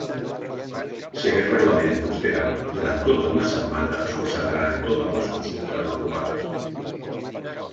Si aquest reglament prospera, durant tota una setmana es concentraran totes les consultes aprovades.